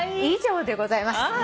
以上でございます。